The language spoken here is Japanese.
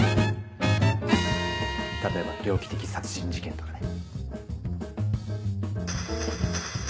例えば猟奇的殺人事件とかね。